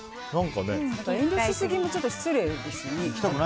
遠慮しすぎも失礼ですよね。